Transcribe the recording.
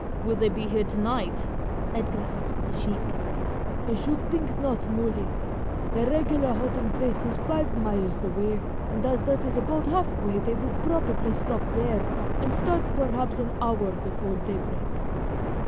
"Will they be here to night?" Edgar asked the sheik. "I should think not, Muley. The regular halting place is five miles away, and as that is about half way they will probably stop there and start perhaps an hour before daybreak."